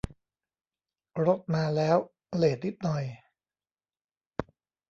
รถมาแล้ว เลตนิดหน่อย